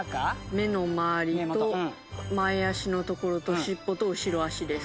目の周りと前足のところと尻尾と後ろ足です。